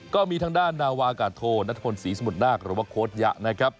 ก็มีทางด้านนาวากาโทนัทพลศรีสมุทรนาคหรือว่าโค้ดยะนะครับ